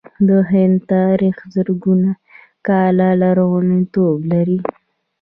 د هند تاریخ زرګونه کاله لرغونتوب لري.